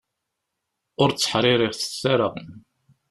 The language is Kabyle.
Ur tteḥṛiṛitet ara!